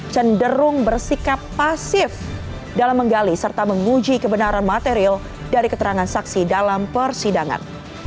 cenderung bersikap pasif dalam menggali serta menguji kebenaran material dari keterangan saksi dalam persidangan